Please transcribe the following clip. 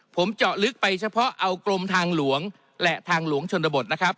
ผมเจาะลึกไปเฉพาะเอากรมทางหลวงและทางหลวงชนบทนะครับ